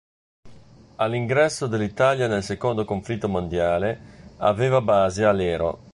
All'ingresso dell'Italia nel secondo conflitto mondiale aveva base a Lero.